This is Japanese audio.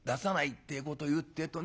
ってえことを言うってえとね